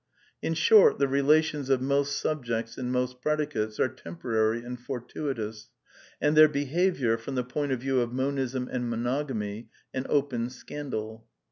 In short, the relations of most subjects and most predicates are temporary and fortuitous, and their be haviour, from the point of view of monism and monogamy, an open scandal.